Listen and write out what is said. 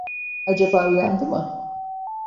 Acaba uyandı mı?